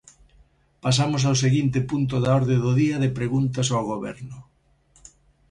Pasamos ao seguinte punto da orde do día de preguntas ao Goberno.